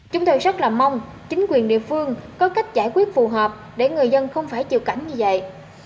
chúng tôi rất là mong chính quyền địa phương có cách giải quyết phù hợp để người dân không phải chịu cảnh như vậy